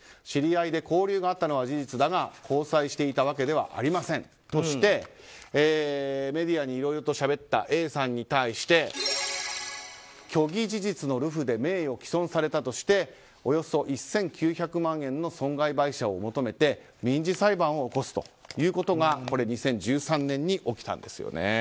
知り合いで交流があったのは事実だが交際していたのではありませんとしてメディアにいろいろとしゃべったＡさんに対して虚偽事実の流布で名誉棄損されたとしておよそ１９００万円の損害賠償を求めて民事裁判を起こすということが２０１３年に起きたんですね。